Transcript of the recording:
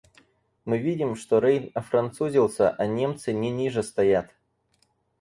Мы видим, что Рейн офранцузился, а Немцы не ниже стоят!